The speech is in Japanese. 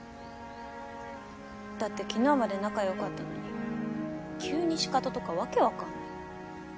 だって昨日まで仲良かったのに急にシカトとか訳わかんない。